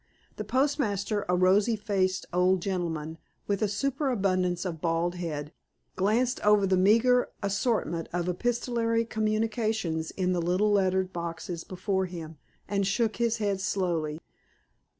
The postmaster, a rosy faced old gentleman, with a superabundance of bald head, glanced over the meager assortment of epistolary communications in the little lettered boxes before him, and shook his head slowly.